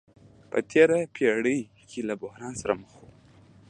په تېره پېړۍ کې له بحران سره مخ وو.